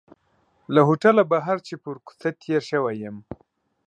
له هوټله بهر چې پر کوڅه تېر شوی یم.